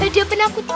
dia penakut banget